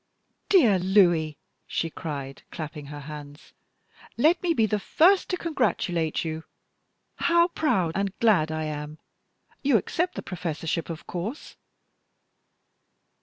"Dear Louis," she cried, clapping her hands, "let me be the first to congratulate you! How proud and glad I am! You accept the professorship, of course?"